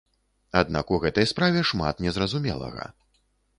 Аднак у гэтай справе шмат незразумелага.